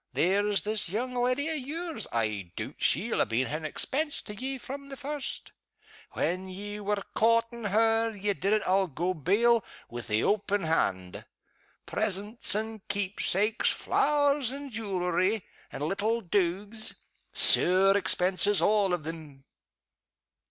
There's this young leddy o' yours, I doot she'll ha' been an expense to ye from the first. When you were coortin' her, ye did it, I'll go bail, wi' the open hand. Presents and keep sakes, flowers and jewelery, and little dogues. Sair expenses all of them!"